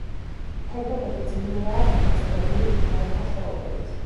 ფერდობები ძლიერაა დანაწევრებული მდინარეთა ხეობებით.